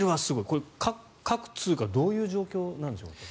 これは各通貨どういう状況なんでしょうか？